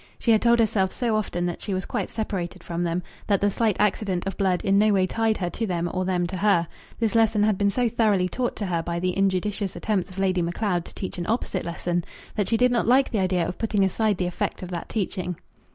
She had told herself so often that she was quite separated from them, that the slight accident of blood in no way tied her to them or them to her, this lesson had been so thoroughly taught to her by the injudicious attempts of Lady Macleod to teach an opposite lesson, that she did not like the idea of putting aside the effect of that teaching.